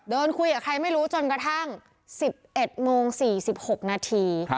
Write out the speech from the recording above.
เดินคุยกับใครไม่รู้จนกระทั่ง๑๑โมง๔๖นาที